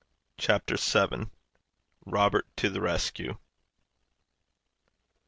CHAPTER VII. ROBERT TO THE RESCUE!